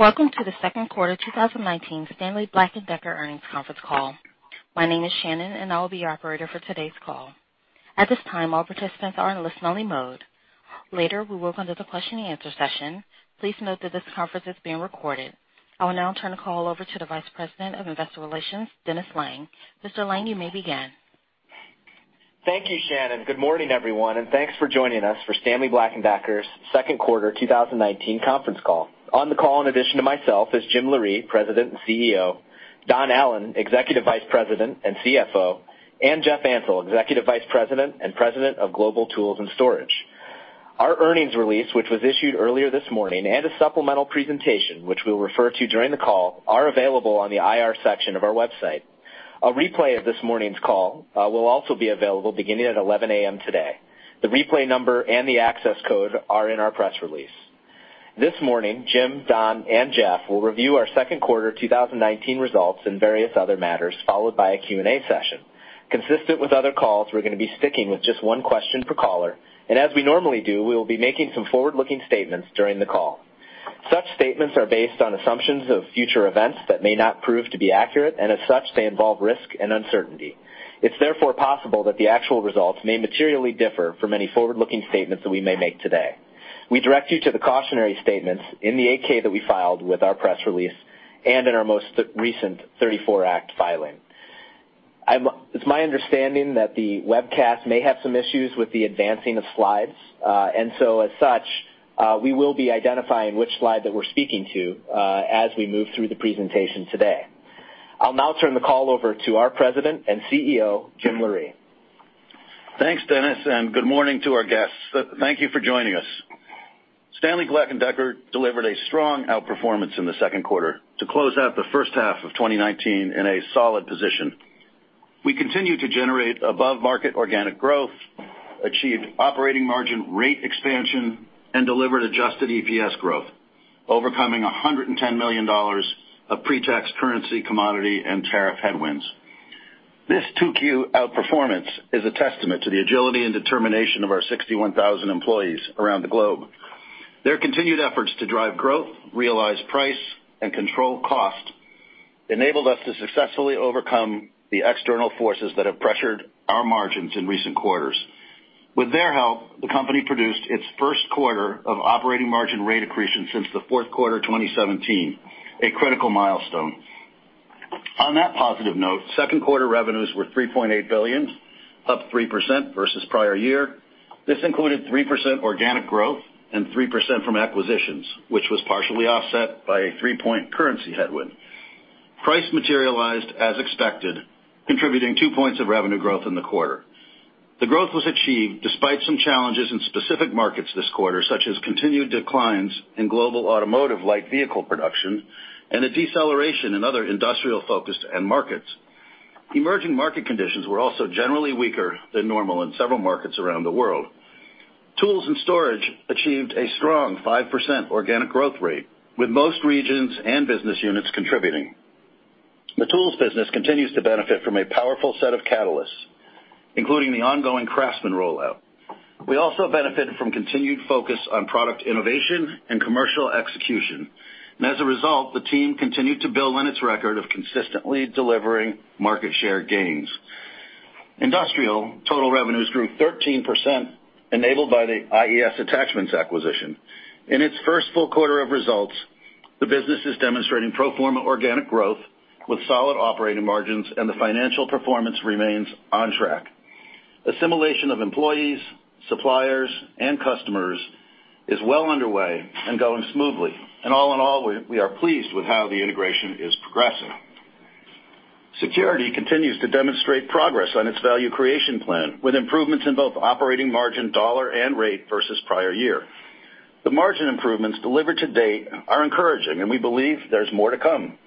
Welcome to the Q2 2019 Stanley Black & Decker earnings conference call. My name is Shannon, and I will be your operator for today's call. At this time, all participants are in listen only mode. Later, we will go to the question and answer session. Please note that this conference is being recorded. I will now turn the call over to the Vice President of Investor Relations, Dennis Lange. Mr. Lange, you may begin. Thank you, Shannon. Good morning, everyone, and thanks for joining us for Stanley Black & Decker's Q2 2019 conference call. On the call, in addition to myself, is Jim Loree, President and CEO, Don Allan, Executive Vice President and CFO, and Jeff Ansell, Executive Vice President and President of Global Tools and Storage. Our earnings release, which was issued earlier this morning, and a supplemental presentation, which we'll refer to during the call, are available on the IR section of our website. A replay of this morning's call will also be available beginning at 11:00 A.M. today. The replay number and the access code are in our press release. This morning, Jim, Don, and Jeff will review our Q2 2019 results and various other matters, followed by a Q&A session. Consistent with other calls, we're going to be sticking with just one question per caller. As we normally do, we will be making some forward-looking statements during the call. Such statements are based on assumptions of future events that may not prove to be accurate. As such, they involve risk and uncertainty. It's therefore possible that the actual results may materially differ from any forward-looking statements that we may make today. We direct you to the cautionary statements in the 8-K that we filed with our press release and in our most recent 34 Act filing. It's my understanding that the webcast may have some issues with the advancing of slides. As such, we will be identifying which slide that we're speaking to, as we move through the presentation today. I'll now turn the call over to our President and CEO, Jim Loree. Thanks, Dennis, and good morning to our guests. Thank you for joining us. Stanley Black & Decker delivered a strong outperformance in the Q2 to close out the H1 of 2019 in a solid position. We continue to generate above-market organic growth, achieve operating margin rate expansion, and delivered adjusted EPS growth, overcoming $110 million of pre-tax currency, commodity, and tariff headwinds. This 2Q outperformance is a testament to the agility and determination of our 61,000 employees around the globe. Their continued efforts to drive growth, realize price, and control cost enabled us to successfully overcome the external forces that have pressured our margins in recent quarters. With their help, the company produced its Q1 of operating margin rate accretion since the Q4 2017, a critical milestone. On that positive note, Q2 revenues were $3.8 billion, up 3% versus prior year. This included 3% organic growth and 3% from acquisitions, which was partially offset by a three-point currency headwind. Price materialized as expected, contributing two points of revenue growth in the quarter. The growth was achieved despite some challenges in specific markets this quarter, such as continued declines in global automotive light vehicle production and a deceleration in other industrial-focused end markets. Emerging market conditions were also generally weaker than normal in several markets around the world. Tools and storage achieved a strong 5% organic growth rate, with most regions and business units contributing. The tools business continues to benefit from a powerful set of catalysts, including the ongoing CRAFTSMAN rollout. We also benefited from continued focus on product innovation and commercial execution. As a result, the team continued to build on its record of consistently delivering market share gains. Industrial total revenues grew 13%, enabled by the IES Attachments acquisition. In its first full quarter of results, the business is demonstrating pro forma organic growth with solid operating margins, and the financial performance remains on track. Assimilation of employees, suppliers, and customers is well underway and going smoothly, and all in all, we are pleased with how the integration is progressing. Security continues to demonstrate progress on its value creation plan, with improvements in both operating margin dollar and rate versus prior year. The margin improvements delivered to date are encouraging, and we believe there's more to come.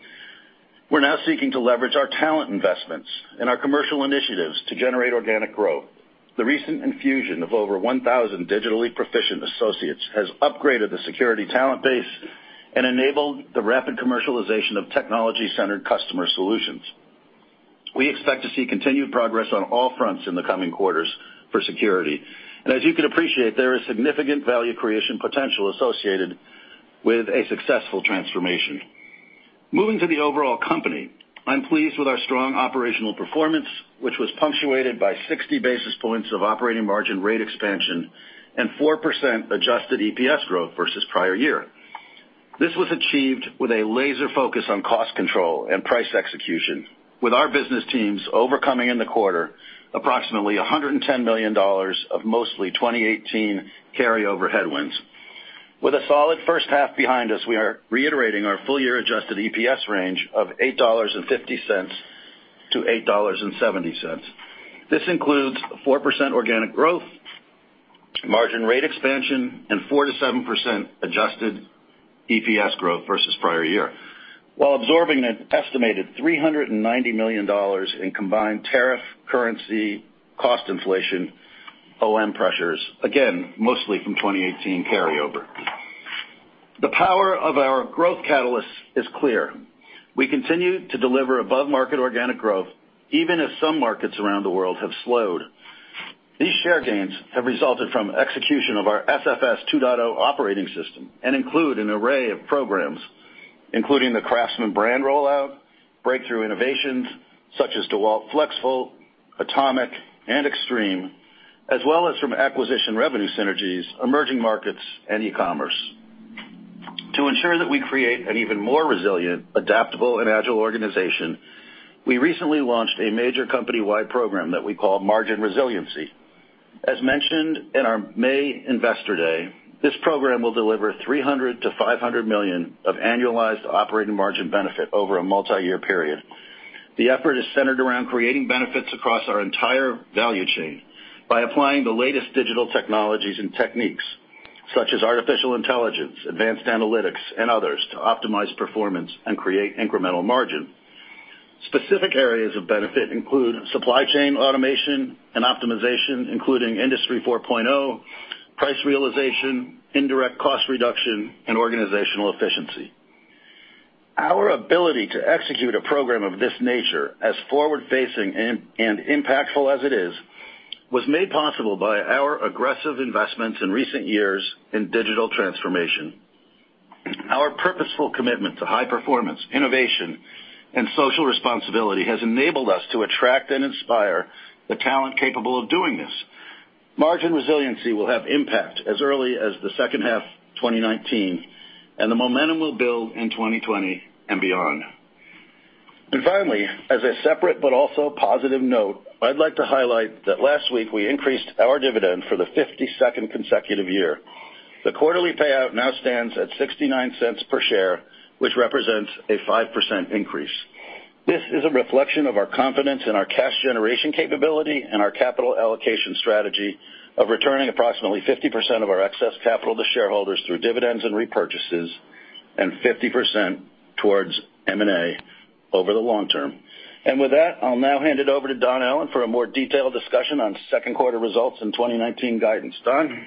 We're now seeking to leverage our talent investments and our commercial initiatives to generate organic growth. The recent infusion of over 1,000 digitally proficient associates has upgraded the security talent base and enabled the rapid commercialization of technology-centered customer solutions. We expect to see continued progress on all fronts in the coming quarters for security. As you can appreciate, there is significant value creation potential associated with a successful transformation. Moving to the overall company, I'm pleased with our strong operational performance, which was punctuated by 60-basis points of operating margin rate expansion and 4% adjusted EPS growth versus prior year. This was achieved with a laser focus on cost control and price execution, with our business teams overcoming in the quarter approximately $110 million of mostly 2018 carryover headwinds. With a solid H1 behind us, we are reiterating our full-year adjusted EPS range of $8.50-$8.70. This includes 4% organic growth, margin rate expansion, and 4%-7% adjusted EPS growth versus prior year, while absorbing an estimated $390 million in combined tariff currency cost inflation OM pressures, again, mostly from 2018 carryover. The power of our growth catalysts is clear. We continue to deliver above-market organic growth even as some markets around the world have slowed. These share gains have resulted from execution of our SFS 2.0 operating system and include an array of programs, including the CRAFTSMAN brand rollout, breakthrough innovations such as DEWALT FLEXVOLT, ATOMIC, and XTREME, as well as from acquisition revenue synergies, emerging markets, and e-commerce. To ensure that we create an even more resilient, adaptable, and agile organization, we recently launched a major company-wide program that we call Margin Resiliency. As mentioned in our May Investor Day, this program will deliver $300- $500 million of annualized operating margin benefit over a multi-year period. The effort is centered around creating benefits across our entire value chain by applying the latest digital technologies and techniques such as artificial intelligence, advanced analytics, and others to optimize performance and create incremental margin. Specific areas of benefit include supply chain automation and optimization, including Industry 4.0, price realization, indirect cost reduction, and organizational efficiency. Our ability to execute a program of this nature, as forward-facing and impactful as it is, was made possible by our aggressive investments in recent years in digital transformation. Our purposeful commitment to high performance, innovation, and social responsibility has enabled us to attract and inspire the talent capable of doing this. Margin Resiliency will have impact as early as the H2 2019, and the momentum will build in 2020 and beyond. Finally, as a separate but also positive note, I'd like to highlight that last week we increased our dividend for the 52nd consecutive year. The quarterly payout now stands at $0.69 per share, which represents a 5% increase. This is a reflection of our confidence in our cash generation capability and our capital allocation strategy of returning approximately 50% of our excess capital to shareholders through dividends and repurchases, and 50% towards M&A over the long term. With that, I'll now hand it over to Don Allan for a more detailed discussion on Q2 results in 2019 guidance. Don?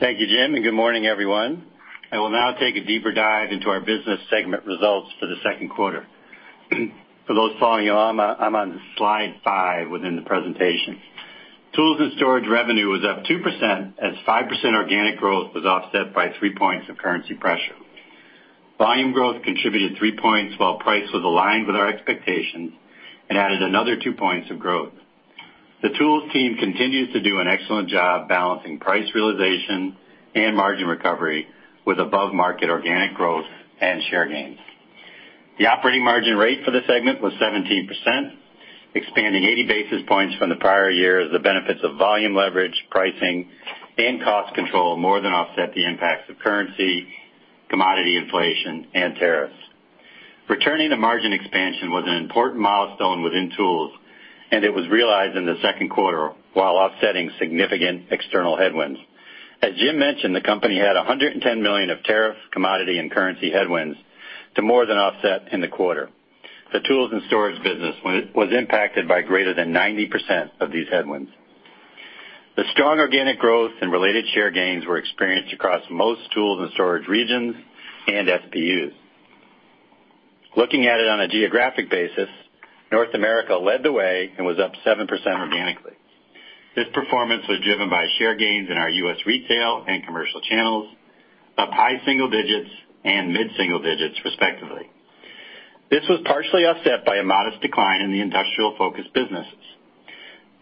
Thank you, Jim, and good morning, everyone. I will now take a deeper dive into our business segment results for the Q2. For those following along, I'm on slide five within the presentation. Tools and Storage revenue was up 2% as 5% organic growth was offset by three points of currency pressure. Volume growth contributed three points, while price was aligned with our expectations and added another two points of growth. The Tools team continues to do an excellent job balancing price realization and margin recovery with above-market organic growth and share gains. The operating margin rate for the segment was 17%, expanding 80 basis points from the prior year as the benefits of volume leverage, pricing, and cost control more than offset the impacts of currency, commodity inflation, and tariffs. Returning to margin expansion was an important milestone within Tools, and it was realized in the Q2 while offsetting significant external headwinds. As Jim mentioned, the company had $110 million of tariff, commodity, and currency headwinds to more than offset in the quarter. The Tools and Storage business was impacted by greater than 90% of these headwinds. The strong organic growth and related share gains were experienced across most Tools and Storage regions and SBUs. Looking at it on a geographic basis, North America led the way and was up 7% organically. This performance was driven by share gains in our U.S. retail and commercial channels, up high single digits and mid-single digits respectively. This was partially offset by a modest decline in the industrial-focused businesses.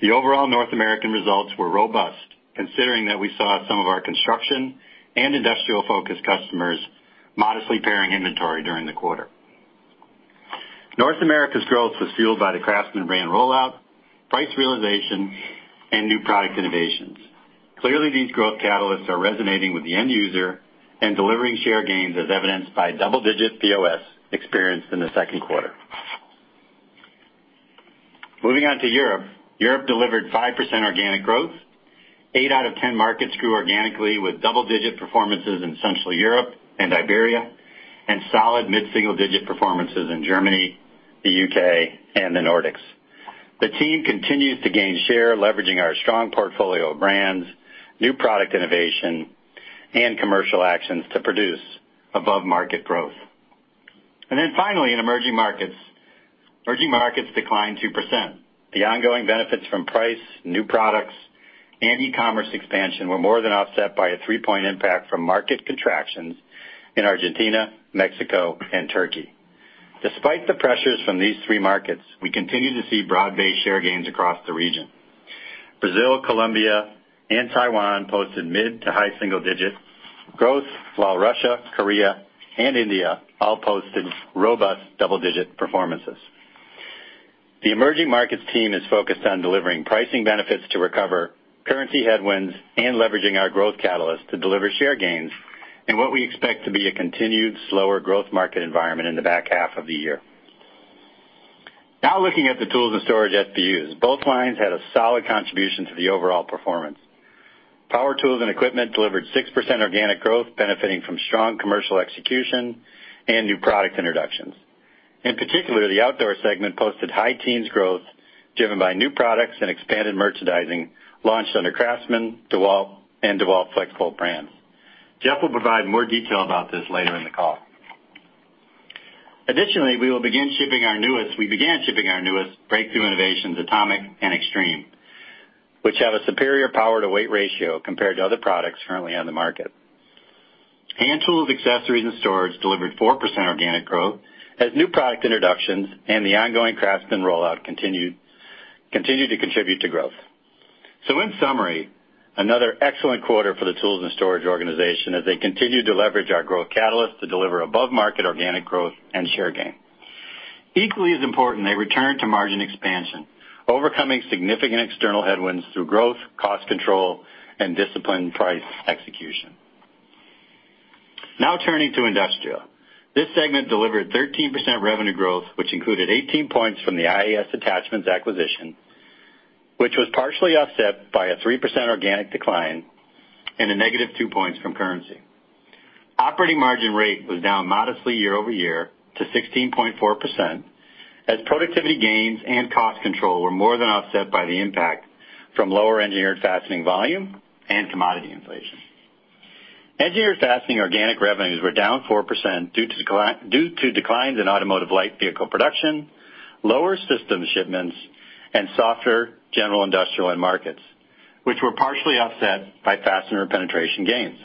The overall North American results were robust, considering that we saw some of our construction and industrial-focused customers modestly paring inventory during the quarter. North America's growth was fueled by the CRAFTSMAN brand rollout, price realization, and new product innovations. Clearly, these growth catalysts are resonating with the end user and delivering share gains, as evidenced by double-digit POS experienced in the Q2. Moving on to Europe. Europe delivered 5% organic growth. Eight out of 10 markets grew organically with double-digit performances in Central Europe and Iberia, and solid mid-single-digit performances in Germany, the U.K., and the Nordics. The team continues to gain share, leveraging our strong portfolio of brands, new product innovation, and commercial actions to produce above-market growth. Finally, in emerging markets. Emerging markets declined 2%. The ongoing benefits from price, new products, and e-commerce expansion were more than offset by a three-point impact from market contractions in Argentina, Mexico, and Turkey. Despite the pressures from these three markets, we continue to see broad-based share gains across the region. Brazil, Colombia, and Taiwan posted mid-to-high single-digit growth, while Russia, Korea, and India all posted robust double-digit performances. The emerging markets team is focused on delivering pricing benefits to recover currency headwinds and leveraging our growth catalyst to deliver share gains in what we expect to be a continued slower growth market environment in the back half of the year. Now, looking at the Tools and Storage SBUs. Both lines had a solid contribution to the overall performance. Power tools and equipment delivered 6% organic growth benefiting from strong commercial execution and new product introductions. In particular, the outdoor segment posted high teens growth, driven by new products and expanded merchandising launched under CRAFTSMAN, DEWALT, and DEWALT FLEXVOLT brands. Jeff will provide more detail about this later in the call. Additionally, we began shipping our newest breakthrough innovations, ATOMIC and XTREME, which have a superior power-to-weight ratio compared to other products currently on the market. Hand tools, accessories, and storage delivered 4% organic growth as new product introductions and the ongoing CRAFTSMAN rollout continued to contribute to growth. In summary, another excellent quarter for the tools and storage organization as they continue to leverage our growth catalyst to deliver above-market organic growth and share gain. Equally as important, a return to margin expansion, overcoming significant external headwinds through growth, cost control, and disciplined price execution. Now turning to Industrial. This segment delivered 13% revenue growth, which included 18 points from the IES Attachments acquisition, which was partially offset by a 3% organic decline and a negative two points from currency. Operating margin rate was down modestly year-over-year to 16.4% as productivity gains and cost control were more than offset by the impact from lower Engineered Fastening volume and commodity inflation. Engineered Fastening organic revenues were down 4% due to declines in automotive light vehicle production, lower systems shipments, and softer general industrial end markets, which were partially offset by fastener penetration gains.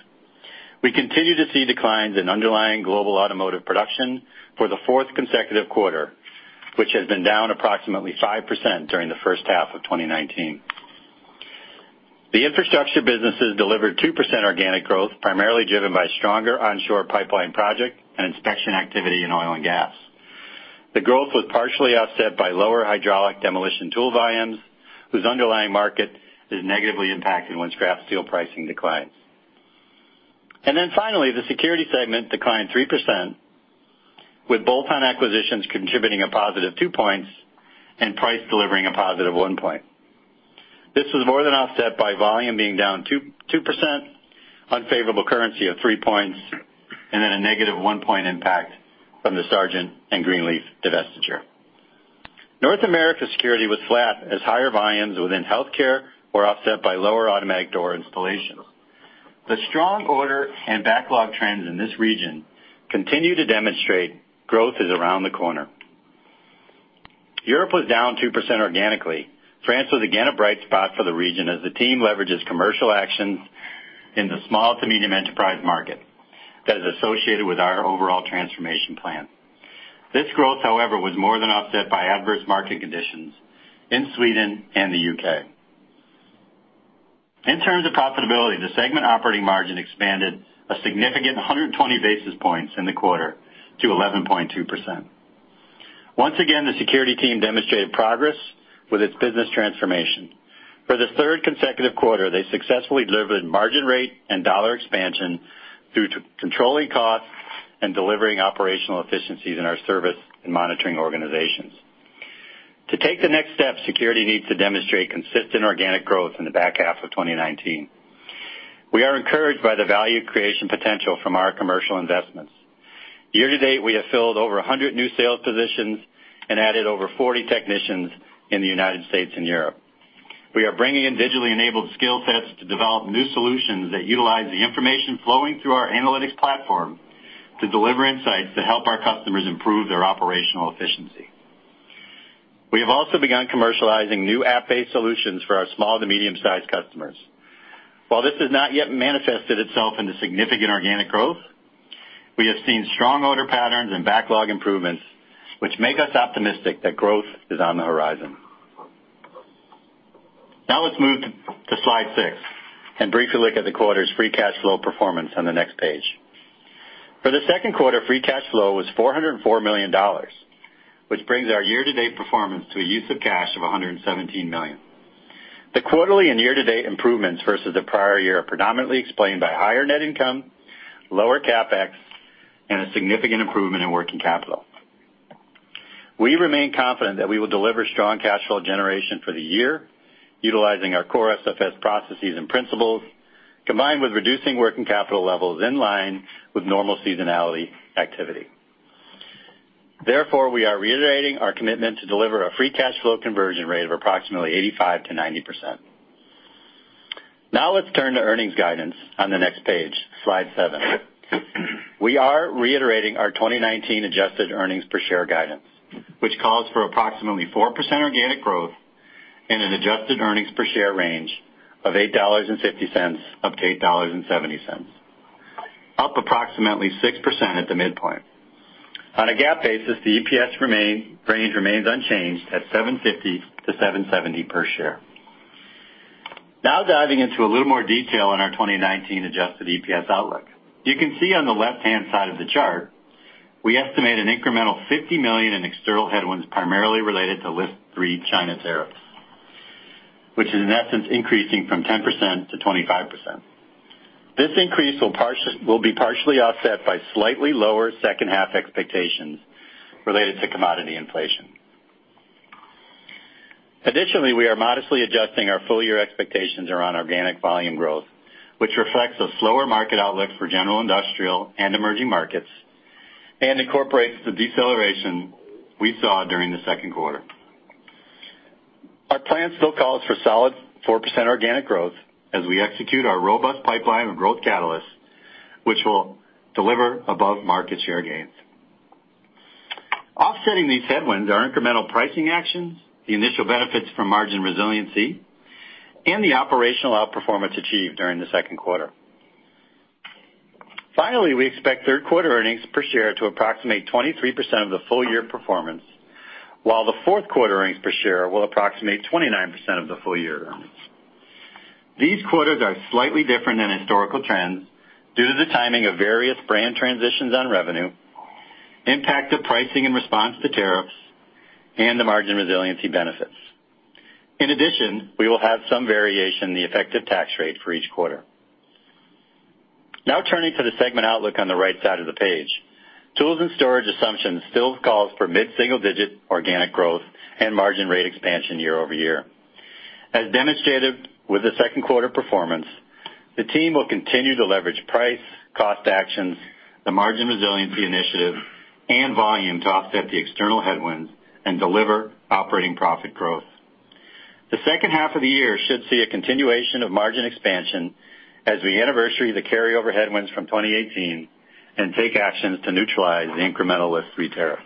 We continue to see declines in underlying global automotive production for the fourth consecutive quarter, which has been down approximately 5% during the H1 of 2019. The infrastructure businesses delivered 2% organic growth, primarily driven by stronger onshore pipeline project and inspection activity in oil and gas. The growth was partially offset by lower hydraulic demolition tool volumes, whose underlying market is negatively impacted when scrap steel pricing declines. Finally, the Security segment declined 3%, with bolt-on acquisitions contributing a positive two points and price delivering a positive one point. This was more than offset by volume being down 2%, unfavorable currency of three points, a negative one-point impact from the Sargent and Greenleaf divestiture. North America Security was flat as higher volumes within healthcare were offset by lower automatic door installations. The strong order and backlog trends in this region continue to demonstrate growth is around the corner. Europe was down 2% organically. France was again a bright spot for the region as the team leverages commercial actions in the small to medium enterprise market that is associated with our overall transformation plan. This growth, however, was more than offset by adverse market conditions in Sweden and the U.K. In terms of profitability, the segment operating margin expanded a significant 120-basis points in the quarter to 11.2%. Once again, the Security team demonstrated progress with its business transformation. For the third consecutive quarter, they successfully delivered margin rate and dollar expansion through controlling costs and delivering operational efficiencies in our service and monitoring organizations. To take the next step, Security needs to demonstrate consistent organic growth in the back half of 2019. We are encouraged by the value creation potential from our commercial investments. Year-to-date, we have filled over 100 new sales positions and added over 40 technicians in the United States and Europe. We are bringing in digitally enabled skill sets to develop new solutions that utilize the information flowing through our analytics platform to deliver insights to help our customers improve their operational efficiency. We have also begun commercializing new app-based solutions for our small to medium-sized customers. While this has not yet manifested itself into significant organic growth, we have seen strong order patterns and backlog improvements, which make us optimistic that growth is on the horizon. Now let's move to slide six and briefly look at the quarter's free cash flow performance on the next page. For the Q2, free cash flow was $404 million, which brings our year-to-date performance to a use of cash of $117 million. The quarterly and year-to-date improvements versus the prior year are predominantly explained by higher net income, lower CapEx, and a significant improvement in working capital. We remain confident that we will deliver strong cash flow generation for the year utilizing our core SFS processes and principles, combined with reducing working capital levels in line with normal seasonality activity. We are reiterating our commitment to deliver a free cash flow conversion rate of approximately 85%-90%. Let's turn to earnings guidance on the next page, slide seven. We are reiterating our 2019 adjusted earnings per share guidance, which calls for approximately 4% organic growth and an adjusted earnings per share range of $8.50-$8.70, up approximately 6% at the midpoint. On a GAAP basis, the EPS range remains unchanged at $7.50-$7.70 per share. Diving into a little more detail on our 2019 adjusted EPS outlook. You can see on the left-hand side of the chart, we estimate an incremental $50 million in external headwinds, primarily related to List 3 China tariffs, which is in essence increasing from 10%-25%. This increase will be partially offset by slightly lower H2 expectations related to commodity inflation. Additionally, we are modestly adjusting our full-year expectations around organic volume growth, which reflects a slower market outlook for general industrial and emerging markets and incorporates the deceleration we saw during the Q2. our plan still calls for solid 4% organic growth as we execute our robust pipeline of growth catalysts, which will deliver above-market share gains. Offsetting these headwinds are incremental pricing actions, the initial benefits from Margin Resiliency, and the operational outperformance achieved during the Q2. Finally, we expect Q3 earnings per share to approximate 23% of the full year performance, while the Q4 earnings per share will approximate 29% of the full year earnings. These quarters are slightly different than historical trends due to the timing of various brand transitions on revenue, impact of pricing in response to tariffs, and the Margin Resiliency benefits. In addition, we will have some variation in the effective tax rate for each quarter. Now turning to the segment outlook on the right side of the page. Tools and Storage assumptions still calls for mid-single digit organic growth and margin rate expansion year-over-year. As demonstrated with the Q2 performance, the team will continue to leverage price, cost actions, the Margin Resiliency initiative, and volume to offset the external headwinds and deliver operating profit growth. The H2 of the year should see a continuation of margin expansion as we anniversary the carryover headwinds from 2018 and take actions to neutralize the incremental List 3 tariffs.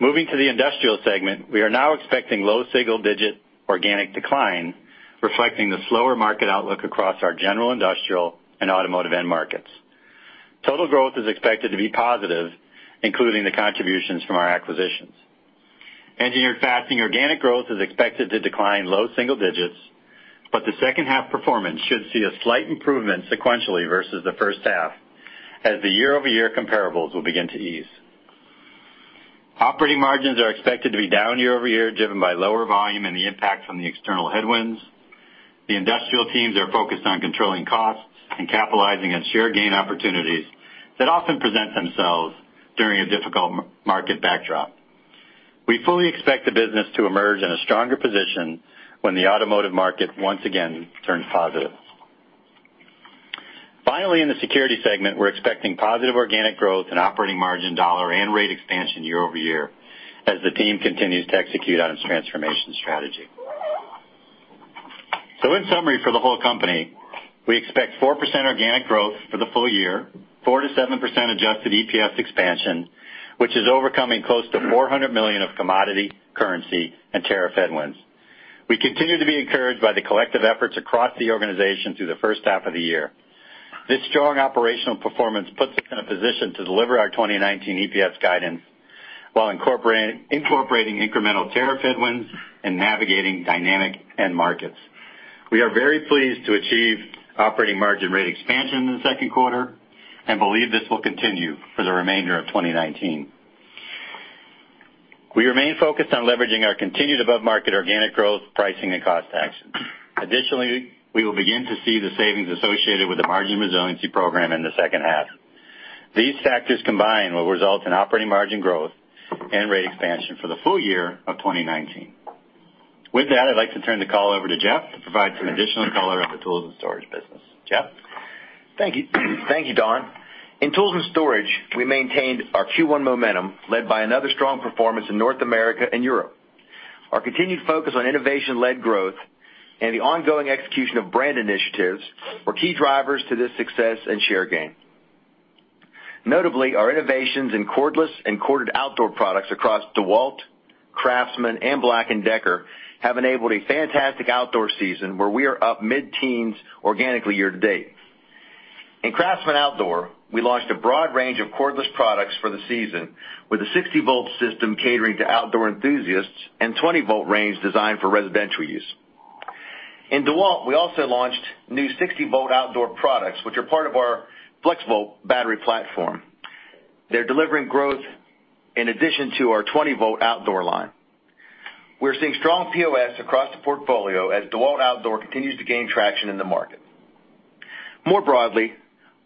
Moving to the industrial segment, we are now expecting low single-digit organic decline, reflecting the slower market outlook across our general industrial and automotive end markets. Total growth is expected to be positive, including the contributions from our acquisitions. Engineered Fastening organic growth is expected to decline low single digits, but the H2 performance should see a slight improvement sequentially versus the H1 as the year-over-year comparables will begin to ease. Operating margins are expected to be down year-over-year, driven by lower volume and the impact from the external headwinds. The industrial teams are focused on controlling costs and capitalizing on share gain opportunities that often present themselves during a difficult market backdrop. We fully expect the business to emerge in a stronger position when the automotive market once again turns positive. In the security segment, we're expecting positive organic growth and operating margin dollar and rate expansion year-over-year as the team continues to execute on its transformation strategy. In summary, for the whole company, we expect 4% organic growth for the full year, 4%-7% adjusted EPS expansion, which is overcoming close to $400 million of commodity, currency, and tariff headwinds. We continue to be encouraged by the collective efforts across the organization through the H1 of the year. This strong operational performance puts us in a position to deliver our 2019 EPS guidance while incorporating incremental tariff headwinds and navigating dynamic end markets. We are very pleased to achieve operating margin rate expansion in the Q2 and believe this will continue for the remainder of 2019. We remain focused on leveraging our continued above-market organic growth, pricing, and cost actions. Additionally, we will begin to see the savings associated with the Margin Resiliency program in the H2. These factors combined will result in operating margin growth and rate expansion for the full year of 2019. With that, I'd like to turn the call over to Jeff to provide some additional color on the tools and storage business. Jeff? Thank you, Don. In tools and storage, we maintained our Q1 momentum led by another strong performance in North America and Europe. Our continued focus on innovation-led growth and the ongoing execution of brand initiatives were key drivers to this success and share gain. Notably, our innovations in cordless and corded outdoor products across DEWALT, CRAFTSMAN, and BLACK+DECKER have enabled a fantastic outdoor season where we are up mid-teens organically year to date. In CRAFTSMAN outdoor, we launched a broad range of cordless products for the season with a 60-volt system catering to outdoor enthusiasts and 20-volt range designed for residential use. In DEWALT, we also launched new 60-volt outdoor products, which are part of our FLEXVOLT battery platform. They're delivering growth in addition to our 20-volt outdoor line. We're seeing strong POS across the portfolio as DEWALT Outdoor continues to gain traction in the market. More broadly,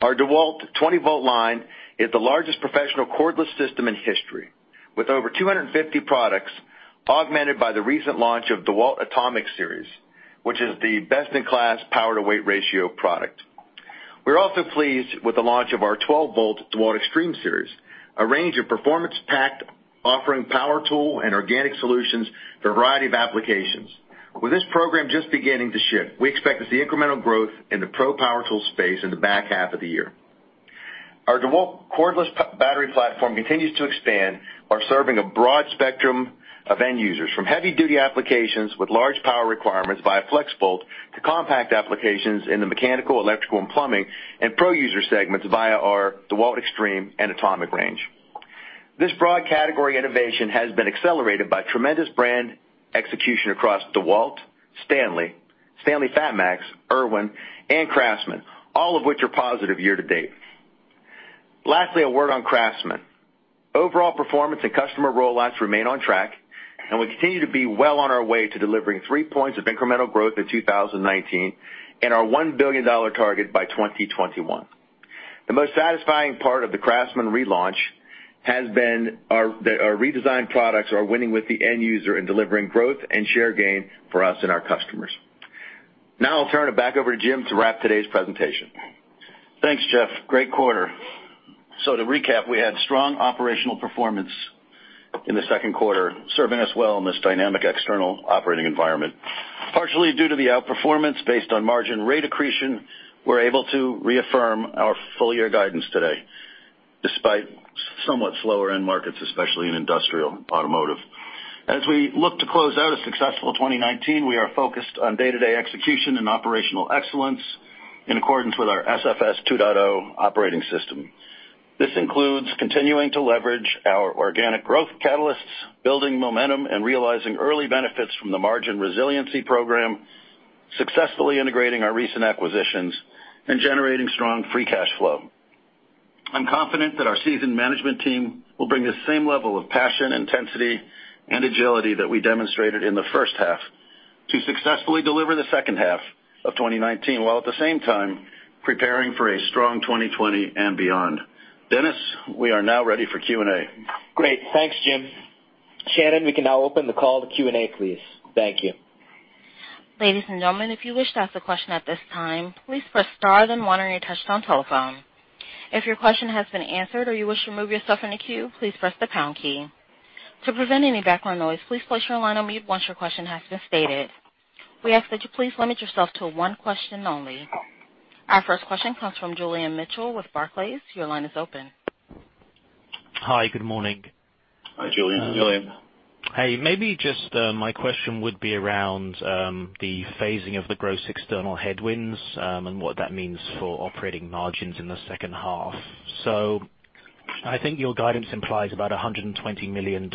our DEWALT 20V line is the largest professional cordless system in history, with over 250 products augmented by the recent launch of DEWALT ATOMIC series, which is the best-in-class power-to-weight ratio product. We're also pleased with the launch of our 12V DEWALT XTREME series, a range of performance-packed offering power tool and ergonomic solutions for a variety of applications. With this program just beginning to ship, we expect to see incremental growth in the pro power tools space in the back half of the year. Our DEWALT cordless battery platform continues to expand by serving a broad spectrum of end users, from heavy-duty applications with large power requirements via FLEXVOLT to compact applications in the mechanical, electrical, and plumbing and pro user segments via our DEWALT XTREME and ATOMIC range. This broad category innovation has been accelerated by tremendous brand execution across DEWALT, STANLEY FATMAX, Irwin, and CRAFTSMAN, all of which are positive year to date. Lastly, a word on CRAFTSMAN. Overall performance and customer rollouts remain on track, and we continue to be well on our way to delivering three points of incremental growth in 2019 and our $1 billion target by 2021. The most satisfying part of the CRAFTSMAN relaunch has been that our redesigned products are winning with the end user and delivering growth and share gain for us and our customers. Now I'll turn it back over to Jim to wrap today's presentation. Thanks, Jeff. Great quarter. To recap, we had strong operational performance in the Q2, serving us well in this dynamic external operating environment. Partially due to the outperformance based on margin rate accretion, we're able to reaffirm our full-year guidance today, despite somewhat slower end markets, especially in industrial automotive. As we look to close out a successful 2019, we are focused on day-to-day execution and operational excellence in accordance with our SFS 2.0 operating system. This includes continuing to leverage our organic growth catalysts, building momentum, and realizing early benefits from the Margin Resiliency program, successfully integrating our recent acquisitions, and generating strong free cash flow. I'm confident that our seasoned management team will bring the same level of passion, intensity, and agility that we demonstrated in the H1 to successfully deliver the H2 of 2019, while at the same time preparing for a strong 2020 and beyond. Dennis, we are now ready for Q&A. Great. Thanks, Jim. Shannon, we can now open the call to Q&A, please. Thank you. Ladies and gentlemen, if you wish to ask a question at this time, please press star then one on your touchtone telephone. If your question has been answered or you wish to remove yourself from the queue, please press the pound key. To prevent any background noise, please place your line on mute once your question has been stated. We ask that you please limit yourself to one question only. Our first question comes from Julian Mitchell with Barclays. Your line is open. Hi, good morning. Hi, Julian. Hey, maybe just my question would be around the phasing of the gross external headwinds, and what that means for operating margins in the H2. I think your guidance implies about $120 million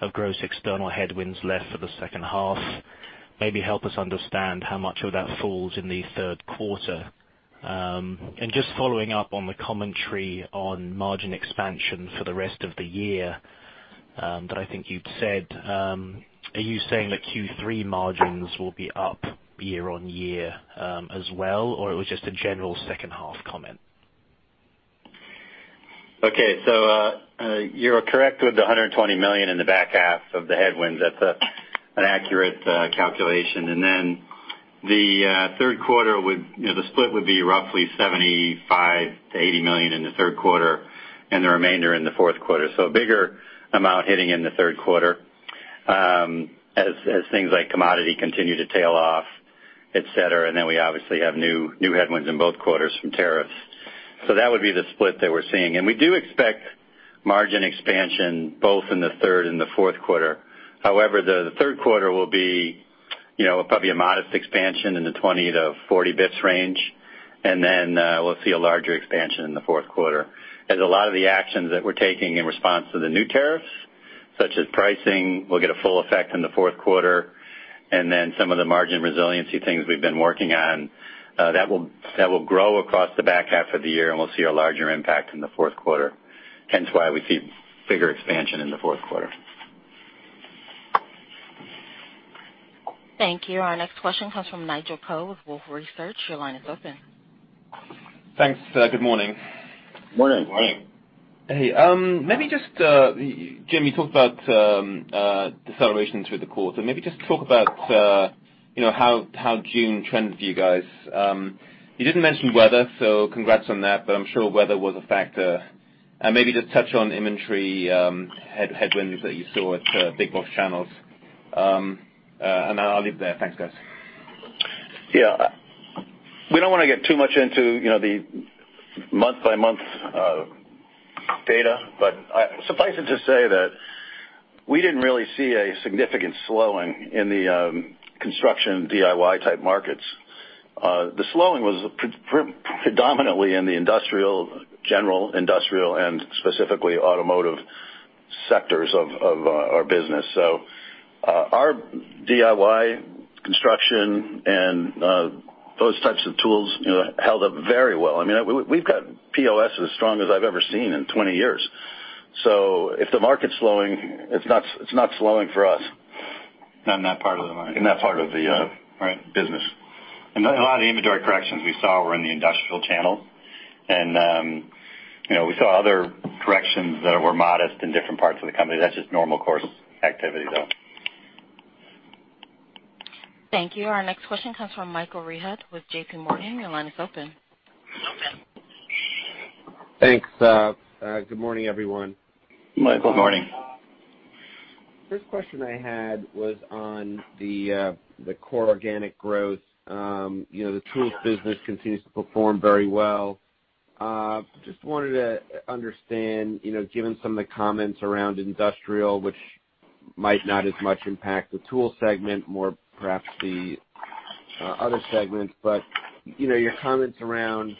of gross external headwinds left for the H2. Maybe help us understand how much of that falls in the Q3. Just following up on the commentary on margin expansion for the rest of the year, that I think you've said, are you saying that Q3 margins will be up year-over-year as well, or it was just a general H2 comment? Okay. You're correct with the $120 million in the back half of the headwinds. That's an accurate calculation. The Q3, the split would be roughly $75-$80 million in the Q3, and the remainder in the Q4. A bigger amount hitting in the Q3 as things like commodity continue to tail off, et cetera. We obviously have new headwinds in both quarters from tariffs. That would be the split that we're seeing. We do expect margin expansion both in the third and the Q4. However, the Q3 will probably be a modest expansion in the 20-40 basis points range. We'll see a larger expansion in the Q4, as a lot of the actions that we're taking in response to the new tariffs, such as pricing, will get a full effect in the Q4. Some of the Margin Resiliency things we've been working on, that will grow across the back half of the year, and we'll see a larger impact in the Q4, hence why we see bigger expansion in the Q4. Thank you. Our next question comes from Nigel Coe with Wolfe Research. Your line is open. Thanks. Good morning. Morning. Morning. Hey. Jim, you talked about deceleration through the quarter. Maybe just talk about how June trends for you guys. You didn't mention weather, so congrats on that, but I'm sure weather was a factor. Maybe just touch on inventory headwinds that you saw at big box channels. I'll leave it there. Thanks, guys. Yeah. We don't want to get too much into the month-by-month data, but suffice it to say that we didn't really see a significant slowing in the construction DIY type markets. The slowing was predominantly in the general industrial and specifically automotive sectors of our business. Our DIY construction and those types of tools held up very well. We've got POS as strong as I've ever seen in 20 years. If the market's slowing, it's not slowing for us. Not in that part of the market. In that part of business. A lot of the inventory corrections we saw were in the industrial channels. We saw other corrections that were modest in different parts of the company. That's just normal course activity, though. Thank you. Our next question comes from Michael Rehaut with J.P. Morgan. Your line is open. Thanks. Good morning, everyone. Michael, morning. First question I had was on the core organic growth. The tools business continues to perform very well. Just wanted to understand, given some of the comments around industrial, which might not as much impact the tool segment, more perhaps the other segments, but your comments around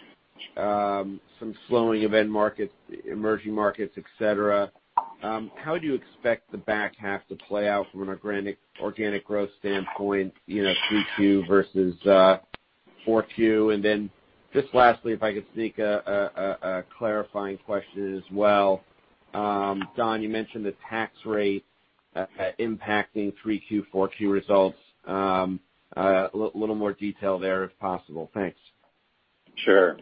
some slowing of end markets, emerging markets, et cetera, how do you expect the back half to play out from an organic growth standpoint, 3Q versus 4Q? Just lastly, if I could sneak a clarifying question as well. Don, you mentioned the tax rate impacting 3Q, 4Q results. A little more detail there if possible. Thanks. Sure.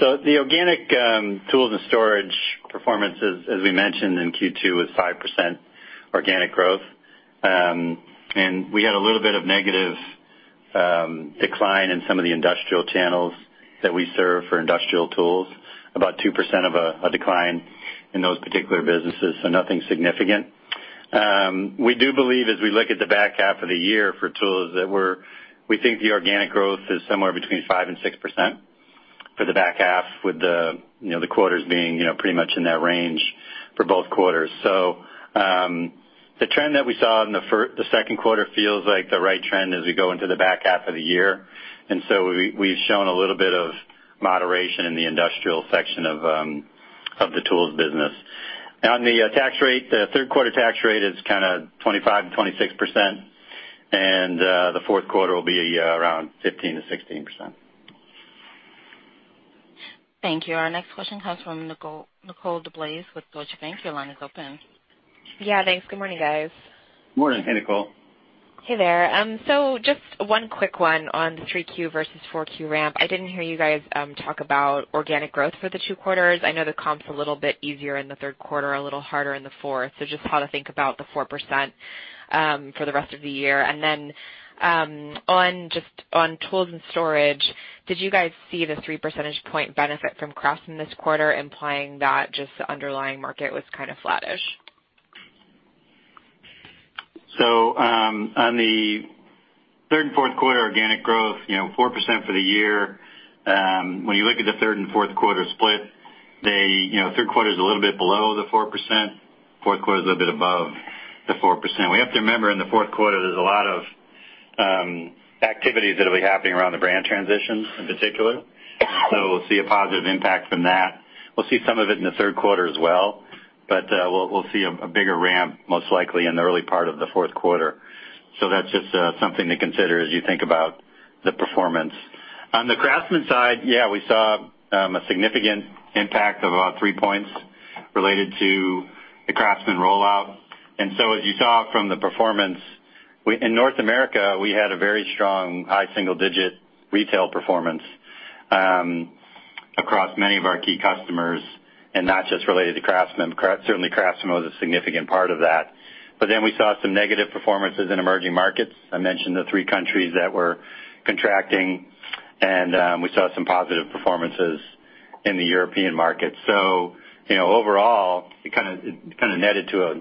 The organic Tools & Storage performances, as we mentioned in Q2, was 5% organic growth. We had a little bit of negative decline in some of the industrial channels that we serve for industrial tools, about 2% of a decline in those particular businesses, so nothing significant. We do believe as we look at the back half of the year for Tools & Storage, that we think the organic growth is somewhere between 5% and 6% for the back half with the quarters being pretty much in that range for both quarters. The trend that we saw in the Q2 feels like the right trend as we go into the back half of the year, and so we've shown a little bit of moderation in the industrial section of the Tools & Storage business. On the Q3 tax rate is kind of 25%-26%, and the Q4 will be around 15%-16%. Thank you. Our next question comes from Nicole DeBlase with Deutsche Bank. Your line is open. Yeah, thanks. Good morning, guys. Morning. Hey, Nicole. Hey there. Just one quick one on the 3Q versus 4Q ramp. I didn't hear you guys talk about organic growth for the two quarters. I know the comp's a little bit easier in the Q3, a little harder in the fourth. Just how to think about the 4% for the rest of the year. On Global Tools & Storage, did you guys see the three percentage point benefit from CRAFTSMAN this quarter implying that just the underlying market was kind of flattish? On the third and Q4 organic growth, 4% for the year. When you look at the Q3 and Q4 split, Q3's a little bit below the 4%, Q4's a little bit above the 4%. We have to remember, in the Q4, there's a lot of activities that'll be happening around the brand transitions in particular. We'll see a positive impact from that. We'll see some of it in the Q3 as well. We'll see a bigger ramp, most likely in the early part of the Q4. That's just something to consider as you think about the performance. On the CRAFTSMAN side, yeah, we saw a significant impact of about three points related to the CRAFTSMAN rollout. As you saw from the performance in North America, we had a very strong high single-digit retail performance across many of our key customers and not just related to Craftsman. Certainly, Craftsman was a significant part of that. We saw some negative performances in emerging markets. I mentioned the three countries that were contracting, and we saw some positive performances in the European market. Overall, it kind of netted to a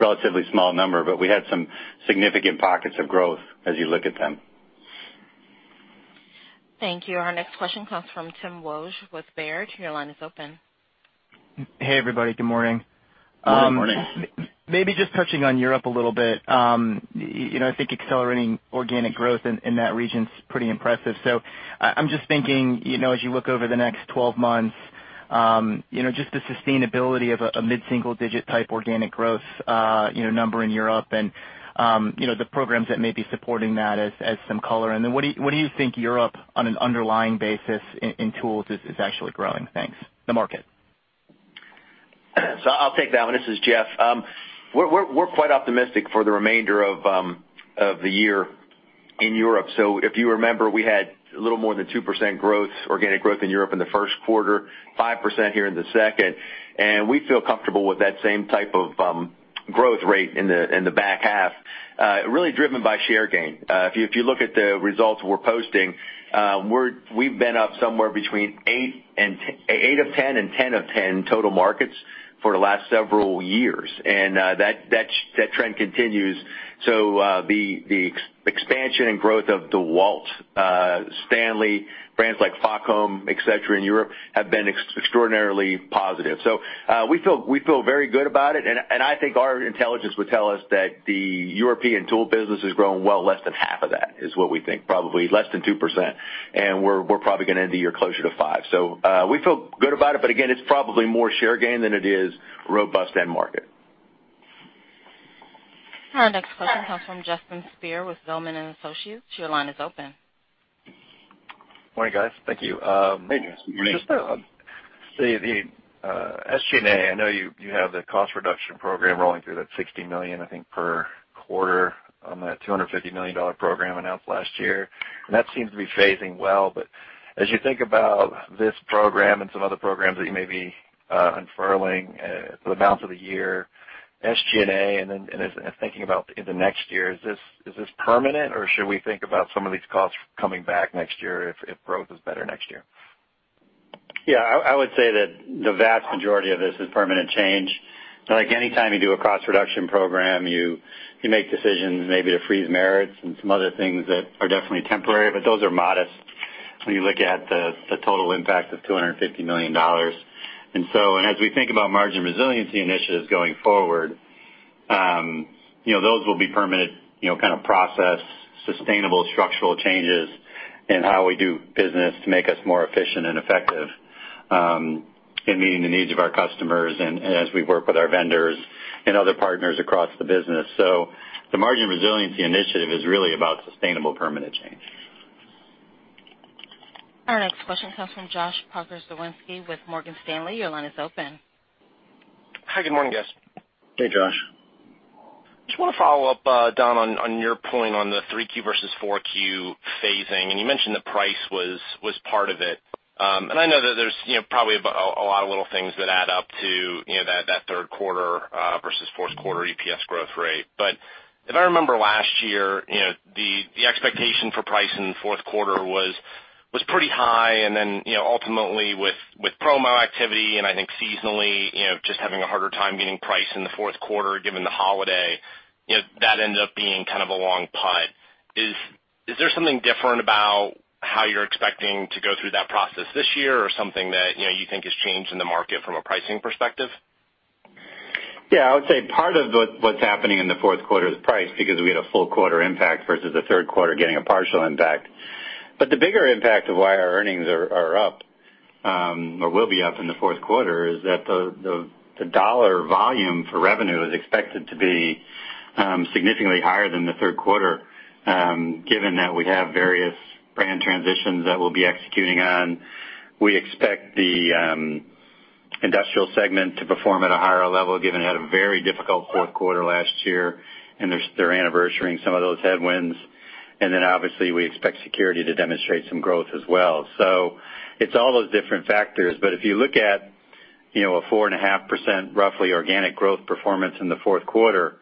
relatively small number, but we had some significant pockets of growth as you look at them. Thank you. Our next question comes from Tim Wojs with Baird. Your line is open. Hey, everybody. Good morning. Good morning. Maybe just touching on Europe a little bit. I think accelerating organic growth in that region's pretty impressive. I'm just thinking, as you look over the next 12 months, just the sustainability of a mid-single digit type organic growth number in Europe and the programs that may be supporting that as some color. What do you think Europe on an underlying basis in tools is actually growing? Thanks. The market. I'll take that one. This is Jeff. We're quite optimistic for the remainder of the year in Europe. If you remember, we had a little more than 2% organic growth in Europe in the Q1, 5% here in the second, and we feel comfortable with that same type of growth rate in the back half, really driven by share gain. If you look at the results we're posting, we've been up somewhere between 8 of 10 and 10 of 10 total markets for the last several years, and that trend continues. The expansion and growth of DEWALT, STANLEY, brands like FACOM, et cetera, in Europe have been extraordinarily positive. We feel very good about it, and I think our intelligence would tell us that the European tool business is growing well less than half of that, is what we think, probably less than 2%, and we're probably going to end the year closer to 5%. We feel good about it, but again, it's probably more share gain than it is robust end market. Our next question comes from Justin Speer with Zelman & Associates. Your line is open. Morning, guys. Thank you. Hey. Morning. Just to see the SG&A, I know you have the cost reduction program rolling through that $60 million, I think, per quarter on that $250 million program announced last year. That seems to be phasing well, but as you think about this program and some other programs that you may be unfurling for the balance of the year, SG&A and then as thinking about into next year, is this permanent, or should we think about some of these costs coming back next year if growth is better next year? Yeah, I would say that the vast majority of this is permanent change. Like any time you do a cost reduction program, you make decisions maybe to freeze merits and some other things that are definitely temporary, but those are modest when you look at the total impact of $250 million. As we think about Margin Resiliency initiatives going forward, those will be permanent kind of process, sustainable structural changes in how we do business to make us more efficient and effective in meeting the needs of our customers and as we work with our vendors and other partners across the business. The Margin Resiliency initiative is really about sustainable permanent change. Our next question comes from Josh Pokrzywinski with Morgan Stanley. Your line is open. Hi, good morning, guys. Hey, Josh. Just want to follow up, Don, on your point on the 3Q versus 4Q phasing. You mentioned that price was part of it. I know that there's probably a lot of little things that add up to that Q3 versus Q4 EPS growth rate. If I remember last year, the expectation for price in the Q4 was pretty high. Ultimately with promo activity and I think seasonally, just having a harder time getting price in the Q4 given the holiday, that ended up being kind of a long putt. Is there something different about how you're expecting to go through that process this year or something that you think has changed in the market from a pricing perspective? Yeah, I would say part of what's happening in the Q4 is price because we had a full quarter impact versus a Q3 getting a partial impact. The bigger impact of why our earnings are up, or will be up in the Q4, is that the dollar volume for revenue is expected to be significantly higher than the Q3, given that we have various brand transitions that we'll be executing on. We expect the industrial segment to perform at a higher level, given it had a very difficult Q4 last year, and they're anniversarying some of those headwinds. Obviously, we expect Security to demonstrate some growth as well. It's all those different factors. If you look at a 4.5% roughly organic growth performance in the Q4,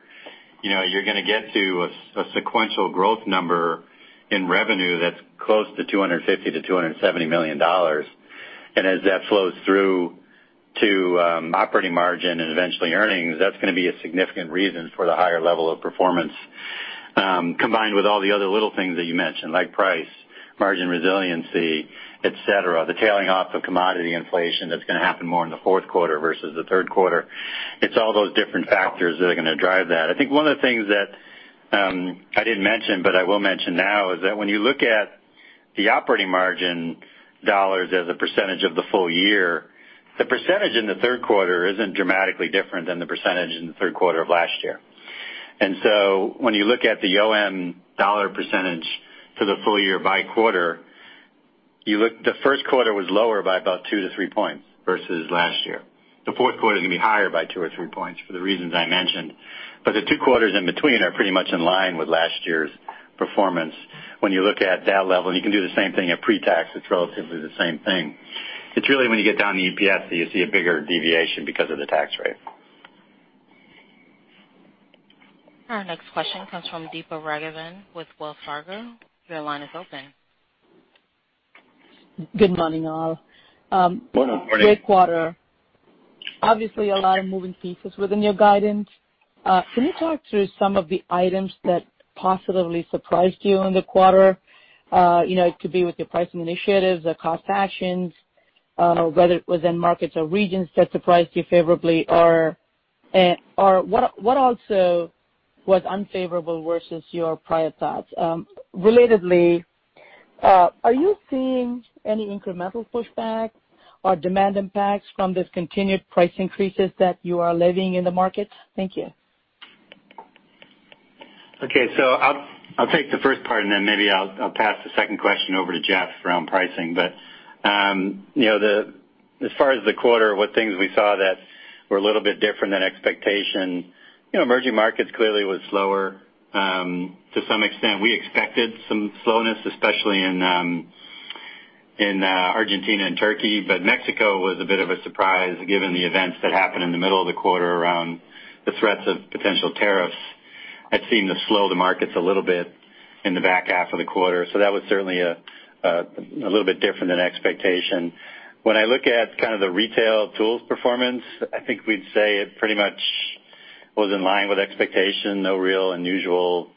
you're going to get to a sequential growth number in revenue that's close to $250-$270 million. As that flows through to operating margin and eventually earnings, that's going to be a significant reason for the higher level of performance, combined with all the other little things that you mentioned, like price, Margin Resiliency, et cetera. The tailing off of commodity inflation that's going to happen more in the Q4 versus the Q3. It's all those different factors that are going to drive that. I think one of the things that I didn't mention, but I will mention now, is that when you look at the operating margin dollars as a percentage of the full year, the percentage in the Q3 isn't dramatically different than the percentage in the Q3 of last year. When you look at the OM dollar percentage for the full year by quarter, the Q1 was lower by about two to three points versus last year. The Q4 is going to be higher by two or three points for the reasons I mentioned. The two quarters in between are pretty much in line with last year's performance when you look at that level. You can do the same thing at pre-tax, it's relatively the same thing. It's really when you get down to the EPS that you see a bigger deviation because of the tax rate. Our next question comes from Deepa Raghavan with Wells Fargo. Your line is open. Good morning, all. Good morning. Great quarter. Obviously, a lot of moving pieces within your guidance. Can you talk through some of the items that positively surprised you in the quarter? It could be with your pricing initiatives, the cost actions, whether it was in markets or regions that surprised you favorably or what also was unfavorable versus your prior thoughts. Relatedly, are you seeing any incremental pushback or demand impacts from this continued price increases that you are levying in the market? Thank you. I'll take the first part, and then maybe I'll pass the second question over to Jeff around pricing. As far as the quarter, what things we saw that were a little bit different than expectation, emerging markets clearly was slower. To some extent, we expected some slowness, especially in Argentina and Turkey. Mexico was a bit of a surprise given the events that happened in the middle of the quarter around the threats of potential tariffs had seemed to slow the markets a little bit in the back half of the quarter. That was certainly a little bit different than expectation. When I look at kind of the retail tools performance, I think we'd say it pretty much was in line with expectation. No real unusual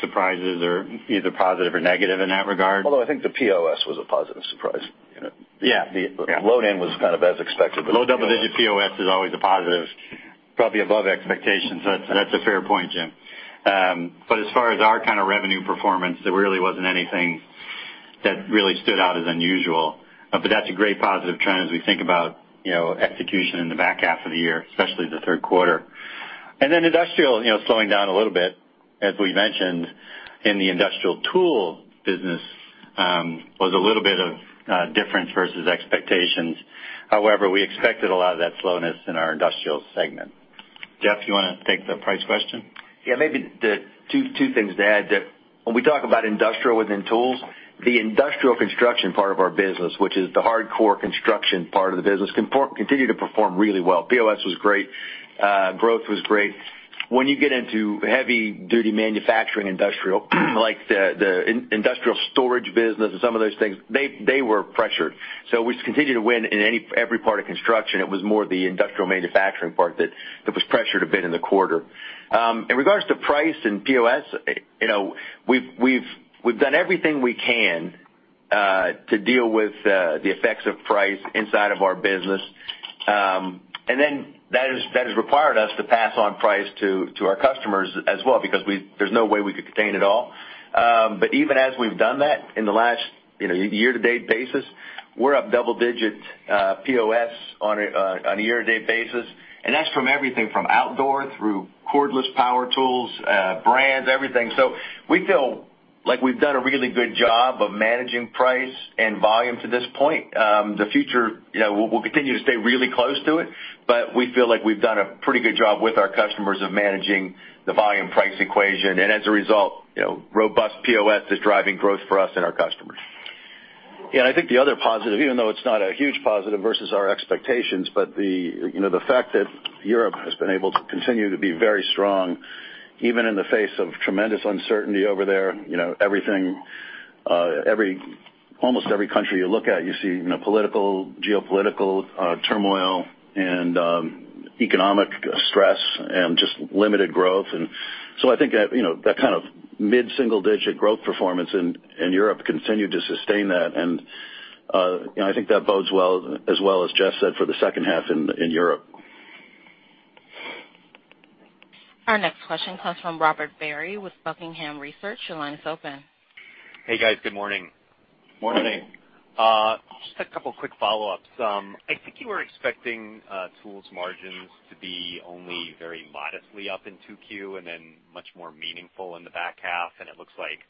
surprises or either positive or negative in that regard. I think the POS was a positive surprise. The load in was kind of as expected. Low double-digit POS is always a positive, probably above expectations. That's a fair point, Jim. As far as our kind of revenue performance, there really wasn't anything that really stood out as unusual. That's a great positive trend as we think about execution in the back half of the year, especially the Q3. Industrial, slowing down a little bit, as we mentioned in the industrial tool business, was a little bit of difference versus expectations. However, we expected a lot of that slowness in our industrial segment. Jeff, you want to take the price question? Maybe two things to add to it. When we talk about industrial within tools, the industrial construction part of our business, which is the hardcore construction part of the business, continue to perform really well. POS was great. Growth was great. When you get into heavy-duty manufacturing industrial, like the industrial storage business and some of those things, they were pressured. We continue to win in every part of construction. It was more the industrial manufacturing part that was pressured a bit in the quarter. In regards to price and POS, we've done everything we can to deal with the effects of price inside of our business. That has required us to pass on price to our customers as well, because there's no way we could contain it all. Even as we've done that in the last year-to-date basis, we're up double-digit POS on a year-to-date basis, and that's from everything from outdoor through cordless power tools, brands, everything. We feel like we've done a really good job of managing price and volume to this point. The future, we'll continue to stay really close to it, but we feel like we've done a pretty good job with our customers of managing the volume price equation. As a result, robust POS is driving growth for us and our customers. I think the other positive, even though it's not a huge positive versus our expectations, but the fact that Europe has been able to continue to be very strong, even in the face of tremendous uncertainty over there. Almost every country you look at, you see political, geopolitical turmoil, and economic stress, and just limited growth. I think that kind of mid-single-digit growth performance in Europe continued to sustain that. I think that bodes well, as well as Jeff said, for the H2 in Europe. Our next question comes from Robert Berry with Buckingham Research. Your line is open. Hey, guys. Good morning. Morning. Just a couple of quick follow-ups. I think you were expecting tools margins to be only very modestly up in 2Q and then much more meaningful in the back half, and it looks like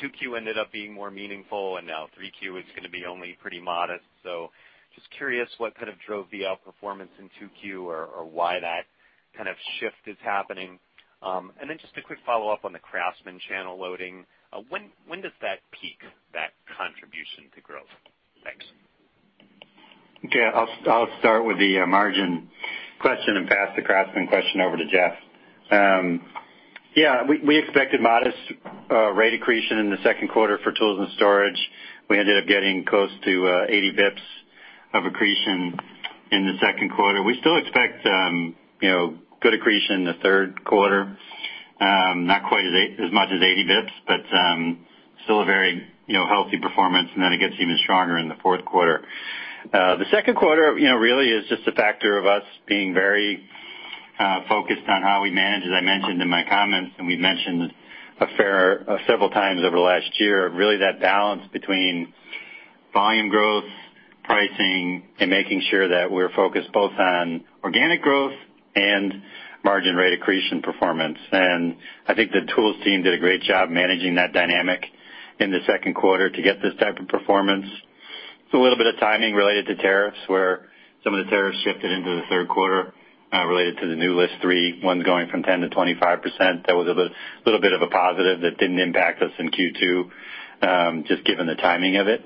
2Q ended up being more meaningful, and now 3Q is going to be only pretty modest. Just curious what kind of drove the outperformance in 2Q or why that kind of shift is happening. Just a quick follow-up on the CRAFTSMAN channel loading. When does that peak, that contribution to growth? Thanks. Okay. I'll start with the margin question and pass the CRAFTSMAN question over to Jeff. Yeah, we expected modest rate accretion in the Q2 for Tools & Storage. We ended up getting close to 80-basis points of accretion in the Q2. We still expect good accretion in the Q3, not quite as much as 80-basis points, but still a very healthy performance, and then it gets even stronger in the Q4. The Q2 really is just a factor of us being very focused on how we manage, as I mentioned in my comments, and we've mentioned several times over the last year, really that balance between volume growth, pricing, and making sure that we're focused both on organic growth and margin rate accretion performance. I think the tools team did a great job managing that dynamic in the Q2 to get this type of performance. It's a little bit of timing related to tariffs, where some of the tariffs shifted into the Q3 related to the new List 3, one's going from 10%-25%. That was a little bit of a positive that didn't impact us in Q2, just given the timing of it.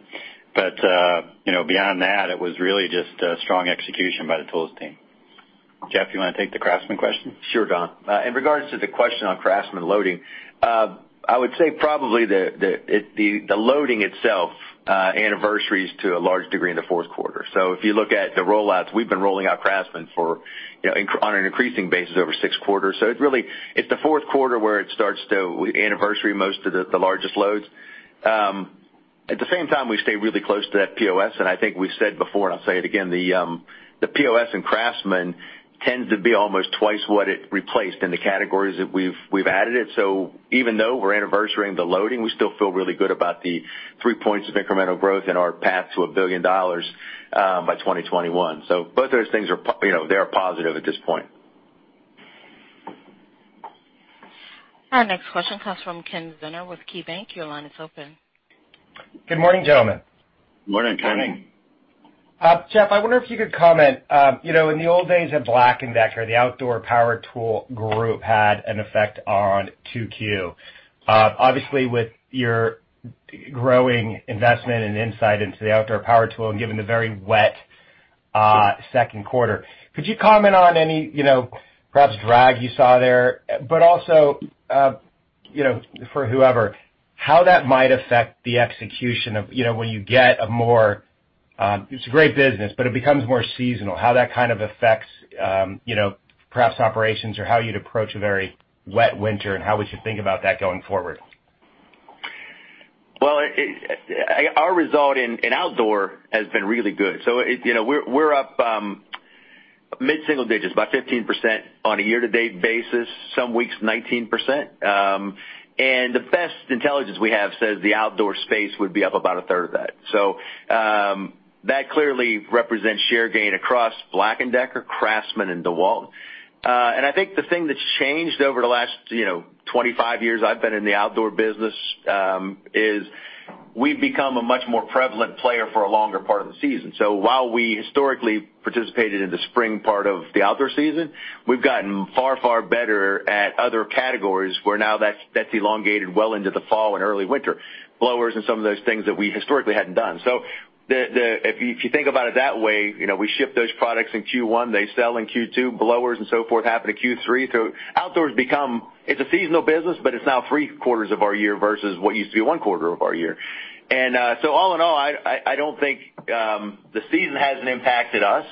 Beyond that, it was really just a strong execution by the tools team. Jeff, you want to take the CRAFTSMAN question? Sure, Don. In regards to the question on CRAFTSMAN loading, I would say probably the loading itself anniversaries to a large degree in the Q4. If you look at the rollouts, we've been rolling out CRAFTSMAN on an increasing basis over six quarters. It's the Q4 where it starts to anniversary most of the largest loads. At the same time, we stay really close to that POS, and I think we said before, and I'll say it again, the POS in CRAFTSMAN tends to be almost twice what it replaced in the categories that we've added it. Even though we're anniversarying the loading, we still feel really good about the three points of incremental growth in our path to $1 billion by 2021. Both those things are positive at this point. Our next question comes from Ken Zener with KeyBanc. Your line is open. Good morning, gentlemen. Morning. Morning. Jeff, I wonder if you could comment. In the old days of BLACK+DECKER, the outdoor power tool group had an effect on 2Q. Obviously, with your growing investment and insight into the outdoor power tool, and given the very wet Q2, could you comment on any perhaps drag you saw there? Also, for whoever, how that might affect the execution of when you get a more, it's a great business, but it becomes more seasonal, how that kind of affects perhaps operations or how you'd approach a very wet winter and how we should think about that going forward? Well, our result in outdoor has been really good. We're up mid-single digits, about 15% on a year-to-date basis, some weeks 19%. The best intelligence we have says the outdoor space would be up about a third of that. That clearly represents share gain across BLACK+DECKER, CRAFTSMAN, and DEWALT. I think the thing that's changed over the last 25 years I've been in the outdoor business is we've become a much more prevalent player for a longer part of the season. While we historically participated in the spring part of the outdoor season, we've gotten far, far better at other categories where now that's elongated well into the fall and early winter. Blowers and some of those things that we historically hadn't done. If you think about it that way, we ship those products in Q1, they sell in Q2, blowers and so forth happen in Q3. Outdoor it's a seasonal business, but it's now three-quarters of our year versus what used to be one quarter of our year. All in all, I don't think the season has an impact at us.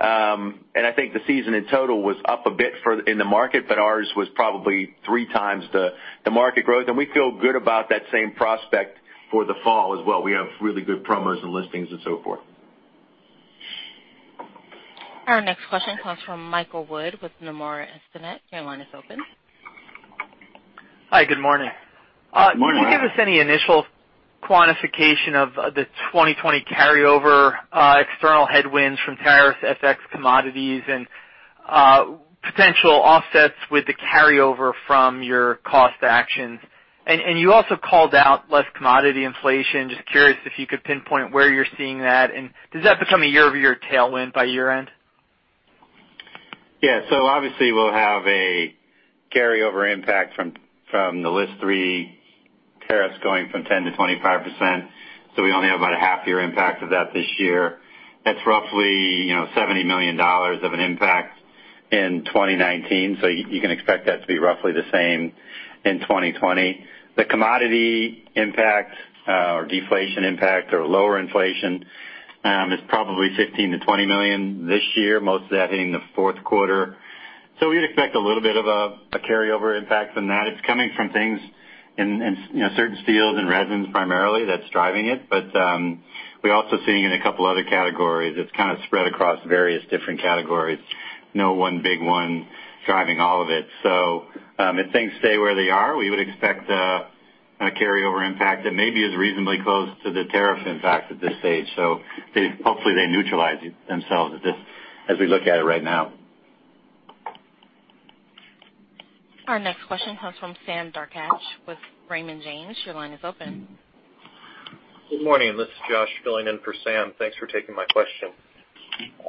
I think the season in total was up a bit in the market, but ours was probably three times the market growth, and we feel good about that same prospect for the fall as well. We have really good promos and listings and so forth. Our next question comes from Michael Wood with Nomura Instinet. Your line is open. Hi, good morning. Good morning. quantification of the 2020 carryover external headwinds from tariff FX commodities and potential offsets with the carryover from your cost actions. You also called out less commodity inflation. Just curious if you could pinpoint where you're seeing that, and does that become a year-over-year tailwind by year-end? Yeah. Obviously, we'll have a carryover impact from the List 3 tariffs going from 10%-25%. We only have about a half year impact of that this year. That's roughly $70 million of an impact in 2019. You can expect that to be roughly the same in 2020. The commodity impact or deflation impact or lower inflation is probably $15-$20 million this year, most of that hitting the Q4. We'd expect a little bit of a carryover impact from that. It's coming from things in certain steels and resins primarily that's driving it. We're also seeing it in a couple other categories. It's kind of spread across various different categories, no one big one driving all of it. If things stay where they are, we expect a carryover impact that may be is reasonably close to the tariff impact at this stage. Hopefully they neutralize themselves as we look at it right now. Our next question comes from Sam Darkatsh with Raymond James. Your line is open. Good morning. This is Josh filling in for Sam. Thanks for taking my question.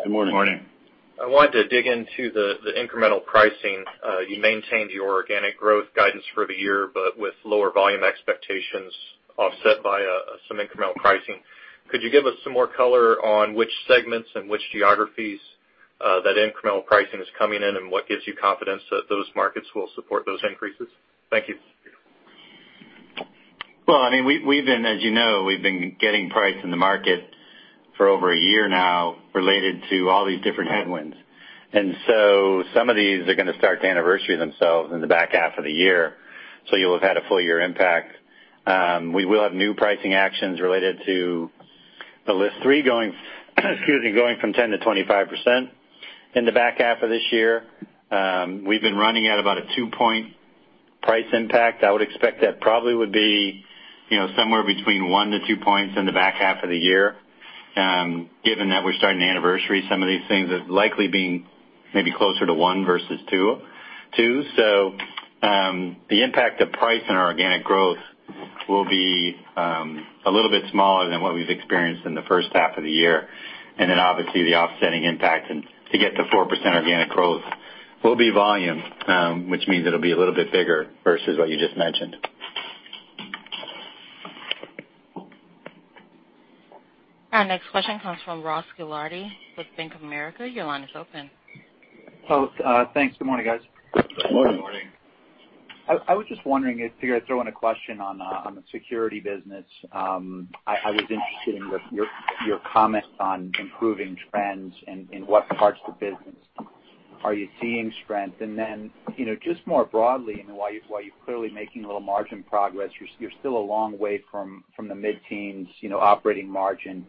Good morning. Good morning. I wanted to dig into the incremental pricing. You maintained your organic growth guidance for the year, but with lower volume expectations offset by some incremental pricing. Could you give us some more color on which segments and which geographies that incremental pricing is coming in, and what gives you confidence that those markets will support those increases? Thank you. Well, as you know, we've been getting price in the market for over a year now related to all these different headwinds. Some of these are going to start to anniversary themselves in the back half of the year, so you'll have had a full year impact. We will have new pricing actions related to the List 3 going from 10%-25% in the back half of this year. We've been running at about a two-point price impact. I would expect that probably would be somewhere between one to two points in the back half of the year. Given that we're starting to anniversary some of these things, it likely being maybe closer to one versus two. The impact of price on our organic growth will be a little bit smaller than what we've experienced in the H1 of the year. Obviously, the offsetting impact to get to 4% organic growth will be volume, which means it'll be a little bit bigger versus what you just mentioned. Our next question comes from Ross Gilardi with Bank of America. Your line is open. Thanks. Good morning, guys. Good morning. Good morning. I was just wondering, figured I'd throw in a question on the security business. I was interested in your comment on improving trends, in what parts of the business are you seeing strength? Just more broadly, while you're clearly making a little margin progress, you're still a long way from the mid-teens operating margin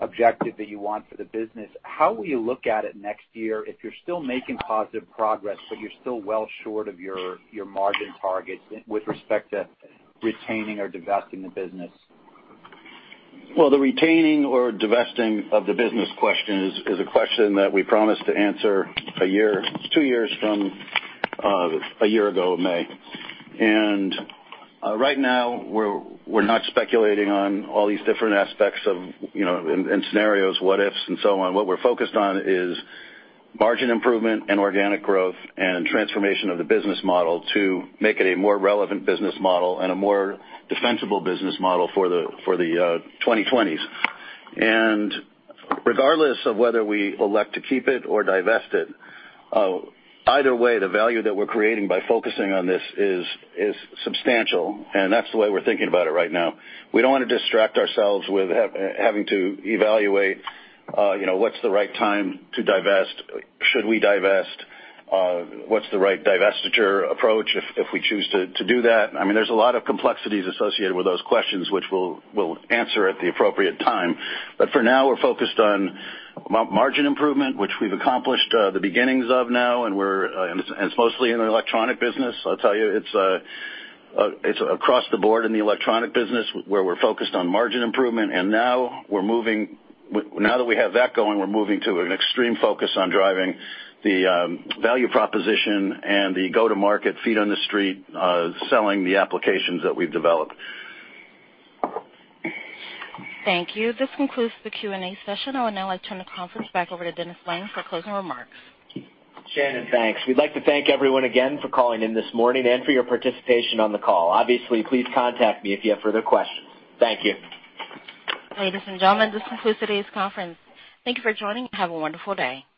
objective that you want for the business. How will you look at it next year if you're still making positive progress, but you're still well short of your margin targets with respect to retaining or divesting the business? Well, the retaining or divesting of the business question is a question that we promised to answer two years from a year ago May. Right now, we're not speculating on all these different aspects and scenarios, what-ifs and so on. What we're focused on is margin improvement and organic growth and transformation of the business model to make it a more relevant business model and a more defensible business model for the 2020s. Regardless of whether we elect to keep it or divest it, either way, the value that we're creating by focusing on this is substantial, and that's the way we're thinking about it right now. We don't want to distract ourselves with having to evaluate what's the right time to divest? Should we divest? What's the right divestiture approach if we choose to do that? There's a lot of complexities associated with those questions, which we'll answer at the appropriate time. For now, we're focused on margin improvement, which we've accomplished the beginnings of now, and it's mostly in the electronic business. I'll tell you, it's across the board in the electronic business where we're focused on margin improvement, and now that we have that going, we're moving to an extreme focus on driving the value proposition and the go-to-market feet on the street selling the applications that we've developed. Thank you. This concludes the Q&A session. I would now like to turn the conference back over to Dennis Lange for closing remarks. Shannon, thanks. We'd like to thank everyone again for calling in this morning and for your participation on the call. Obviously, please contact me if you have further questions. Thank you. Ladies and gentlemen, this concludes today's conference. Thank you for joining and have a wonderful day.